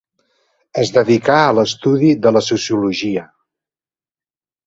Es dedicà a l'estudi de la sociologia.